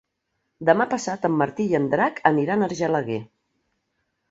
Demà passat en Martí i en Drac aniran a Argelaguer.